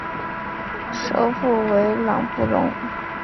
首府为朗布隆。